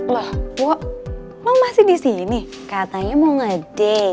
lah kok lo masih disini katanya mau ngedate